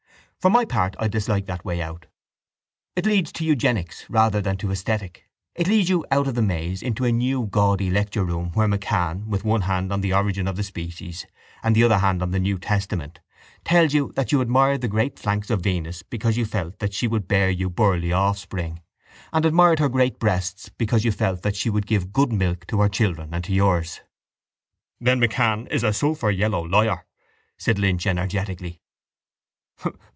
For my part I dislike that way out. It leads to eugenics rather than to esthetic. It leads you out of the maze into a new gaudy lectureroom where MacCann, with one hand on The Origin of Species and the other hand on the new testament, tells you that you admired the great flanks of Venus because you felt that she would bear you burly offspring and admired her great breasts because you felt that she would give good milk to her children and yours. —Then MacCann is a sulphuryellow liar, said Lynch energetically.